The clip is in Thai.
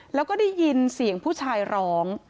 แล้วก็ได้ยินเสียงผู้ชายร้อง